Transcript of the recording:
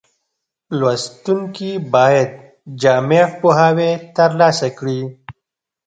لوستونکي باید جامع پوهاوی ترلاسه کړي.